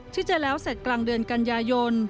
ที่จะแล้วเสร็จกลางเดือนกันยายน